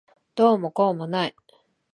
どうもこうもない。